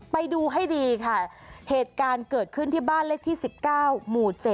ไปดูให้ดีค่ะเหตุการณ์เกิดขึ้นที่บ้านเลขที่๑๙หมู่๗